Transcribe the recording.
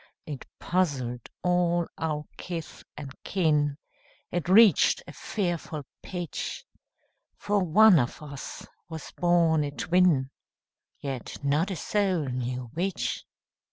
It puzzled all our kith and kin, It reached a fearful pitch; For one of us was born a twin, Yet not a soul knew which.